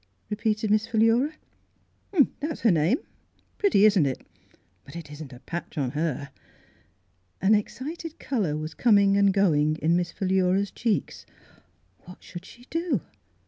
repeated Miss Philura. "That's her name — pretty, isn't it? But it isn't a patch on her." An excited colour was coming and going in Miss Philura's cheeks. What should she do?